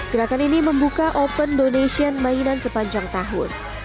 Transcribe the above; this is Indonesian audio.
gerakan ini membuka open donation mainan sepanjang tahun